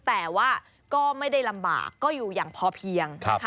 แต่ว่าก็ไม่ได้ลำบากก็อยู่อย่างพอเพียง